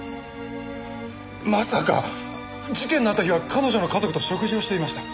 まさか！事件のあった日は彼女の家族と食事をしていました。